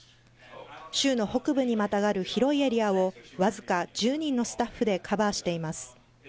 州の北部にまたがる広いエリアを、僅か１０人のスタッフでカバーしています。